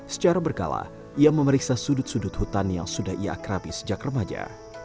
secara berkala ia memeriksa sudut sudut hutan yang sudah ia akrabi sejak remaja